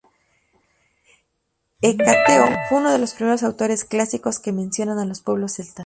Hecateo fue uno de los primeros autores clásicos que mencionan a los pueblos celtas.